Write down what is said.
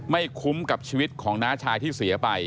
ไม่คุ้มกับชีวิตของน้าชายที่เสียไป